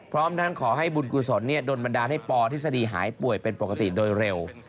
พร้อมทั้งขอให้บุญกุศลโดนบันดาลให้ปทฤษฎีหายป่วยเป็นปกติโดยเร็ว